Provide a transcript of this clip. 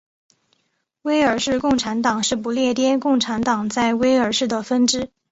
威尔士共产党是不列颠共产党在威尔士的分支。